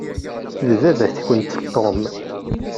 D baba-tkent Tom.